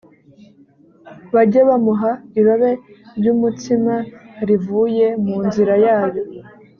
bajye bamuha irobe ry’umutsima rivuye mu nzira yayo